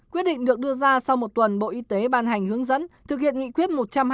quyết định được đưa ra sau một tuần bộ y tế ban hành hướng dẫn thực hiện nghị quyết một trăm hai mươi